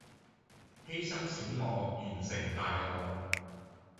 犧牲小我，完成大我